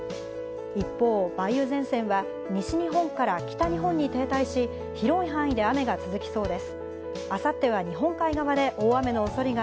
一方、梅雨前線は、西日本から北日本に停滞し、広い範囲で雨が続きそうです。